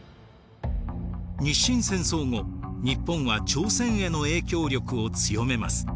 日清戦争後日本は朝鮮への影響力を強めます。